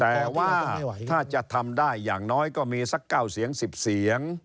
แต่ว่าถ้าจะทำได้อย่างน้อยก็มีสัก๙เสียง๑๐เสียง